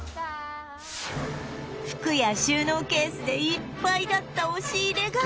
服や収納ケースでいっぱいだった押し入れが